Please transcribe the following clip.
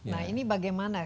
nah ini bagaimana